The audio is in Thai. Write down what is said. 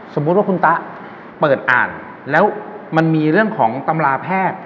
สมมุติว่าคุณตะเปิดอ่านแล้วมันมีเรื่องของตำราแพทย์